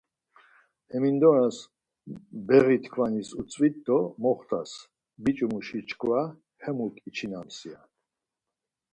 Hemindoras beği tkvanis utzvit do moxtas, biç̌i muşi çkva hemuk içinams ya.